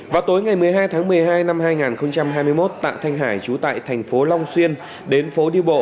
vào tối ngày một mươi hai tháng một mươi hai năm hai nghìn hai mươi một tại thanh hải chú tại thành phố long xuyên đến phố điêu bộ